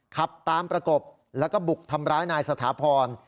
ขับตามประกบแล้วก็บุกทำร้ายนายสถาพร